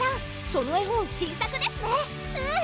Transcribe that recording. その絵本新作ですねうん！